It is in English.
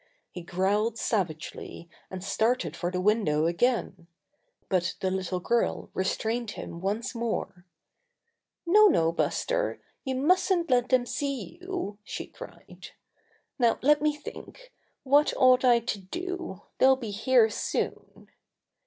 He growled sav agely, and started for the window again. But the little girl restrained him once more. Buster and the Little Girl 107 ^'No, no, Buster, you musn't let them see you!" she cried. *'Now let me think! What ought I to do? They'll be here soon.